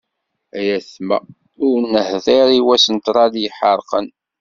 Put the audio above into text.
Ay aytma! Ur neḥḍir, i wass n ṭrad n yiḥerqan.